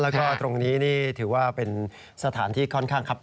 แล้วก็ตรงนี้นี่ถือว่าเป็นสถานที่ค่อนข้างครับ